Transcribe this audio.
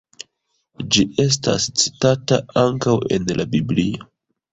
Ĝi estas citita ankaŭ en la Biblio.